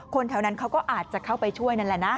คนแถวนั้นเขาก็อาจจะเข้าไปช่วยนั่นแหละนะ